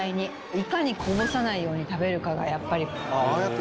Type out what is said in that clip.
いかにこぼさないように食べるかがやっぱり。